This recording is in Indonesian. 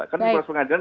kan proses pengadilan